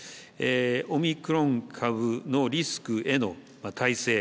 オミクロン株のリスクへの耐性